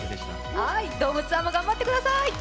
ドームツアーも頑張ってください。